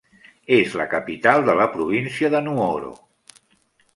És la capital de la província de Nuoro.